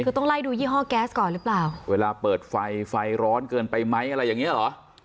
คือต้องไล่ดูยี่ห้อแก๊สก่อนหรือเปล่าเวลาเปิดไฟไฟร้อนเกินไปไหมอะไรอย่างเงี้เหรอ